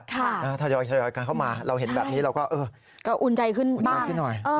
ถ้ายอยกันเข้ามาเราเห็นแบบนี้เราก็อุ่นใจขึ้นบ้าง